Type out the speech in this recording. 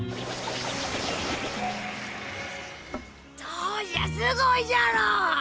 どうじゃすごいじゃろ。